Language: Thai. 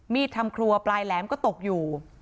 ทำครัวปลายแหลมก็ตกอยู่